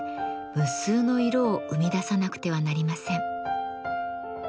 無数の色を生み出さなくてはなりません。